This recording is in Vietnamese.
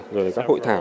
rồi các hội thảo